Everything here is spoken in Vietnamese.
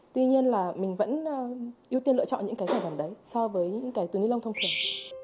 tuy nhiên là mình vẫn ưu tiên lựa chọn những cái sản phẩm đấy so với những cái túi ni lông thông thường